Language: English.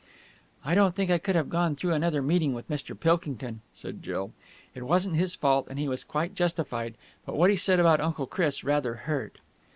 "I don't think I could have gone through another meeting with Mr. Pilkington," said Jill. "It wasn't his fault, and he was quite justified, but what he said about Uncle Chris rather hurt."